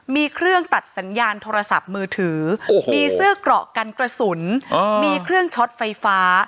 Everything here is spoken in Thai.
มีเครื่องตัดสัญญาณโทรศัพท์มือถือมีเสื้อเกราะกันกระสุนมีเครื่องช็อตไฟฟ้า